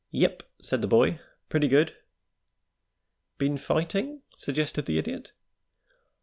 "Yep," said the boy; "pretty good." "Been fighting?" suggested the Idiot.